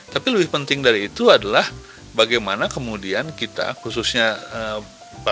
tapi lebih penting dari itu adalah bagaimana kemudian kita khususnya pemerintah